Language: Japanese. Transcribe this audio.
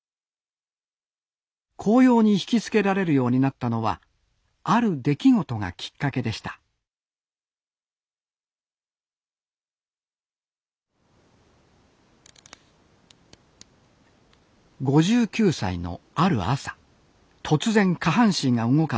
紅葉に惹きつけられるようになったのはある出来事がきっかけでした５９歳のある朝突然下半身が動かず歩くことができなくなりました。